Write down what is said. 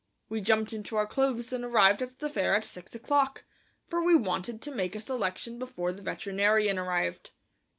We jumped into our clothes and arrived at the fair at six o'clock, for we wanted to make a selection before the veterinarian arrived.